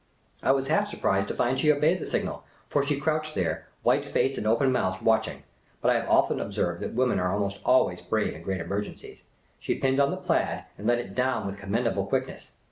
I was half surprised to find she obeyed the signal, for she crouched there, white faced and open mouthed, watching ; but I have often observed that women are almost always brave in great emergencies. She pinned on the plaid and let it down with commendable quickness.